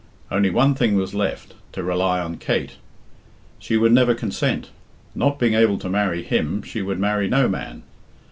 Only one thing was left to rely on Kate. She would never consent. Not being able to marry him, she would marry no man.